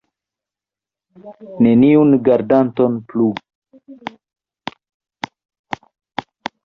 Neniun gardanton plu!